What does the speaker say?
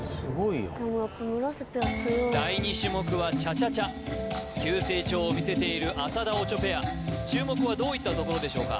第２種目はチャチャチャ急成長を見せている浅田・オチョペア注目はどういったところでしょうか？